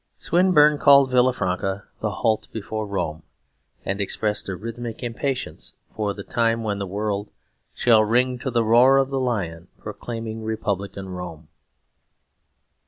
Swinburne called Villafranca "The Halt before Rome," and expressed a rhythmic impatience for the time when the world "Shall ring to the roar of the lion Proclaiming Republican Rome."